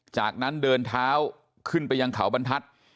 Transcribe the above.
จากนั้นเดินเท้าขึ้นไปยังเขาบรรทัศน์